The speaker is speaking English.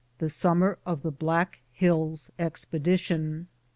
THE BUMMER OF THE BLACK HILLS EXPEDITION.